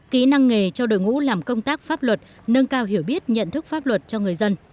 kỹ năng nghề cho đội ngũ làm công tác pháp luật nâng cao hiểu biết nhận thức pháp luật cho người dân